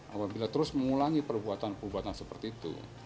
apabila terus mengulangi perbuatan perbuatan seperti itu